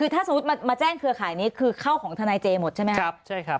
ถ้าสมมติมัดมาแจ้งเครือข่ายนี้คือเมื่อที่เข้าของทเจเหมือนกันใช่มั้ย